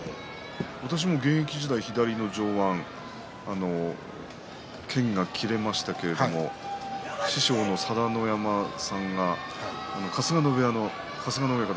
私も現役時代、左の上腕けんが切れましたけど師匠の佐田の山さんが春日野部屋の春日野親方